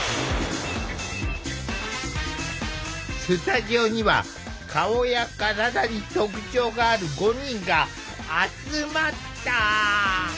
スタジオには顔や体に特徴がある５人が集まった。